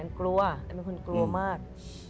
กลัวอันเป็นคนกลัวมาก